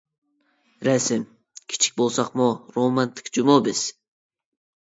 رەسىم: كىچىك بولساقمۇ رومانتىك جۇمۇ بىز!